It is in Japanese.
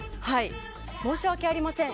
申し訳ありません